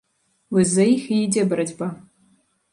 Вось за іх і ідзе барацьба.